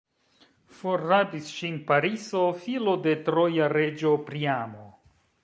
Forrabis ŝin Pariso, filo de troja reĝo Priamo.